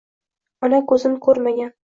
Ona ko‘zin ko‘rmagan